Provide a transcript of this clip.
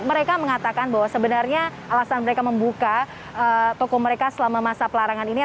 mereka mengatakan bahwa sebenarnya alasan mereka membuka toko mereka selama masa pelarangan ini